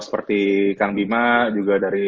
seperti kang bima juga dari